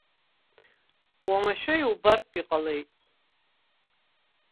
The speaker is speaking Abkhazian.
Уамашәа иубартә иҟалеит.